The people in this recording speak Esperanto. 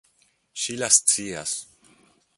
Ŝila scias.